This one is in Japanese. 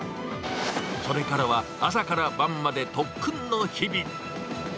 それからは朝から晩まで特訓の日々。